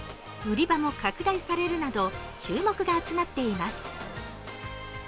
売り場も拡大されるなど注目が集まっています。